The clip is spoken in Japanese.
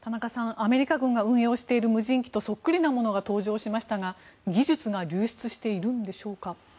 アメリカ軍が運用している無人機とそっくりなものが登場しましたが技術が流出しているんでしょうか。